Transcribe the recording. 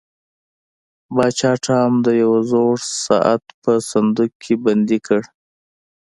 پاچا ټام د یو زوړ ساعت په صندوق کې بندي کړ.